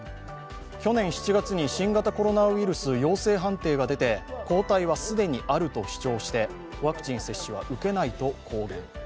去年７月に新型コロナウイルス陽性判定が出て抗体は既にあると主張してワクチン接種は受けないと公言。